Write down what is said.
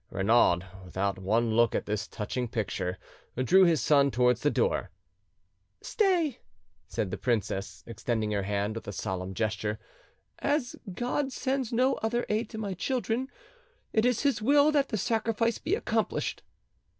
Renaud, without one look at this touching picture, drew his son towards the door. "Stay," said the princess, extending her hand with a solemn gesture: "as God sends no other aid to my children, it is His will that the sacrifice be accomplished."